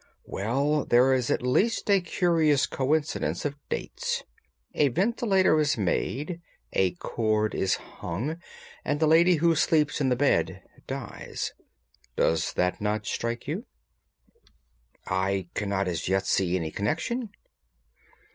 "Well, there is at least a curious coincidence of dates. A ventilator is made, a cord is hung, and a lady who sleeps in the bed dies. Does not that strike you?" "I cannot as yet see any connection."